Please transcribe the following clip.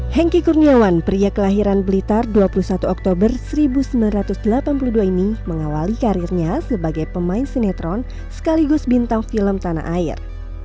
hengki kurniawan pria kelahiran blitar dua puluh satu oktober seribu sembilan ratus delapan puluh dua ini mengawali karirnya sebagai pemain sinetron sekaligus bintang film tanah air